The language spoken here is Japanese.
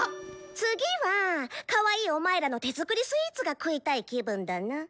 次はかわいいお前らの手作りスイーツが食いたい気分だな。